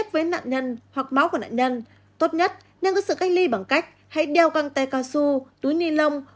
với nạn nhân bị sốc hãy đặt họ nằm xuống